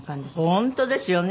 本当ですよね。